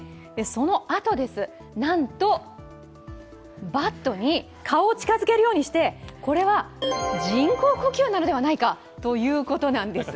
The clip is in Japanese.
そのあとです、なんとバットに顔を近づけるようにしてこれは人工呼吸なのではないかということなんです。